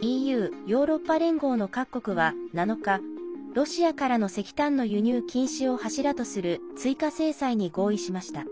ＥＵ＝ヨーロッパ連合の各国は７日ロシアからの石炭の輸入禁止を柱とする追加制裁に合意しました。